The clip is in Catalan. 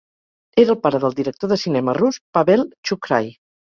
Era el pare del director de cinema rus Pavel Chukhrai.